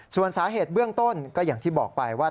ส่วนสาเหตุเบื้องต้นก็อย่างที่บอกไปว่า